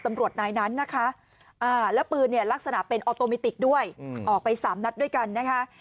ตำรวจนายนั้นนะคะแล้วปืนเนี่ยลักษณะเป็นออโตมิติกด้วยออกไปสามนัดด้วยกันนะคะ